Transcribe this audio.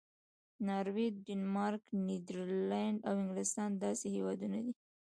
ناروې، ډنمارک، نیدرلینډ او انګلستان داسې هېوادونه دي.